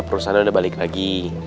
perusahaan udah balik lagi